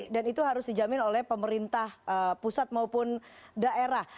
dan itu harus dijamin oleh pemerintah pusat maupun daerah